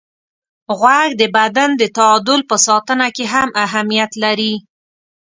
غوږ د بدن د تعادل په ساتنه کې هم اهمیت لري.